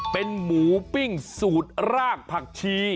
เป็นหมูปิ้งสูตรรากผักชี